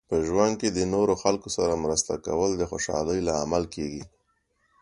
په ژوند کې د نورو خلکو سره مرسته کول د خوشحالۍ لامل کیږي.